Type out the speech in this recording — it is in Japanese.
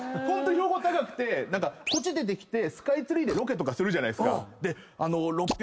ホントに標高高くて何かこっち出てきてスカイツリーでロケとかするじゃないですか。